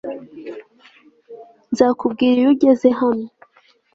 nzakubwira iyo ugeze hano